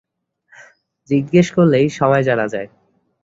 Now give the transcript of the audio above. জিজ্ঞেস করলেই সময় জানা যায়।